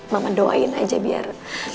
mama doain aja biar